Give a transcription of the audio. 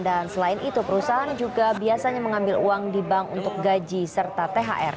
dan selain itu perusahaan juga biasanya mengambil uang di bank untuk gaji serta thr